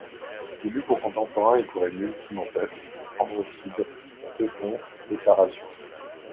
Il eut pour contemporains et pour émules Timanthès, Androcyde, Eupompe et Parrhasios.